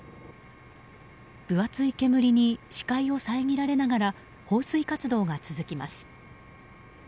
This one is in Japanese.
分厚い煙に視界を遮られながら放水活動が続きます。